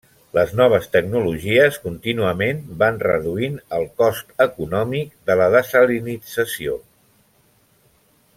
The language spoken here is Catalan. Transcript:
Les noves tecnologies contínuament van reduint el cost econòmic de la dessalinització.